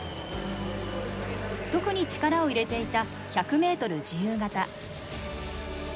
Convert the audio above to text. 特に力を入れていた１００ｍ自由形。